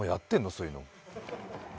そういうの？